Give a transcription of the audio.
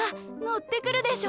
ッてくるでしょ？